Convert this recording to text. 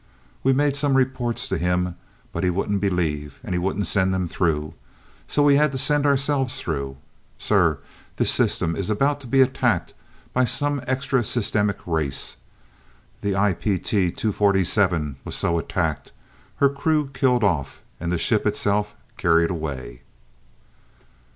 We made some reports to him, but he wouldn't believe, and he wouldn't send them through so we had to send ourselves through. Sir, this system is about to be attacked by some extra systemic race. The IP T 247 was so attacked, her crew killed off, and the ship itself carried away."